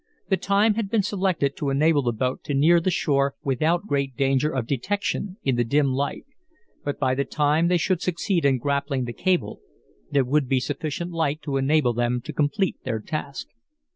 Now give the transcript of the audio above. The time had been selected to enable the boat to near the shore without great danger of detection in the dim light. But by the time they should succeed in grappling the cable there would be sufficient light to enable them to complete their task.